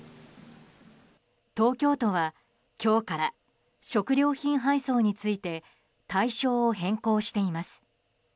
東京都は今日から食料品配送について対象を変更しています。